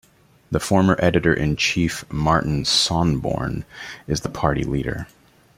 The former editor-in-chief Martin Sonneborn is the party leader.